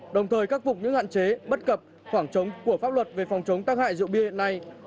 đồng thời cắt phục những hạn chế bất cập khoảng trống của pháp luật về phòng chống tác hại rượu bia này